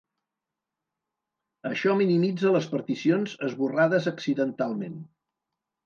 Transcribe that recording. Això minimitza les particions esborrades accidentalment.